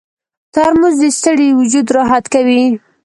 ترموز د ستړي وجود راحت کوي.